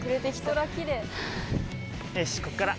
よしここから。